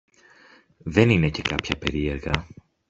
Δεν είναι και κάποια περίεργα